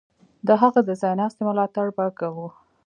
د هغه د ځای ناستي ملاتړ به کوو.